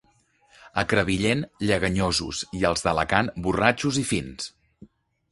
A Crevillent, lleganyosos, i els d'Alacant, borratxos i fins.